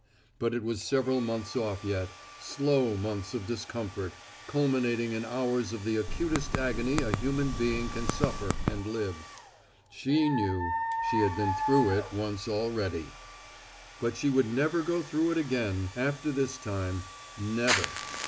But it was several months off yet, slow months of discomfort, culminating in hours of the acutest agony a human being can suffer and live. She knew. She had been through it once already. But she would never go through it again, after this time. Never.